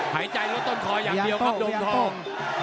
หายใจลดต้นคออย่างเดียวครับโดมทอง